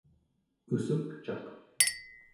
ussukcaq